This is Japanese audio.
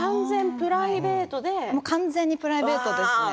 完全にプライベートですね。